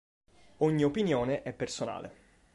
Ogni opinione è personale.